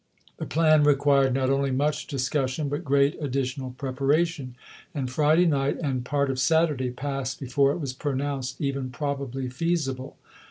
The plan required not only much discus sion, but great additional j^reparation ; and Friday night and a part of Saturday passed before it was pronounced even probably feasible.